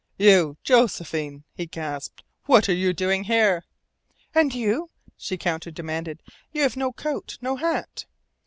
"You, Josephine!" he gasped. "What are you doing here?" "And you?" she counter demanded. "You have no coat, no hat